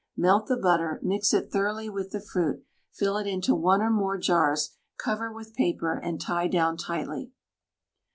Melt the butter, mix it thoroughly with the fruit, fill it into one or more jars, cover with paper, and tie down tightly.